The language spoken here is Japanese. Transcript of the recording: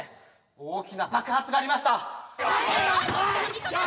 大きな爆発がありました。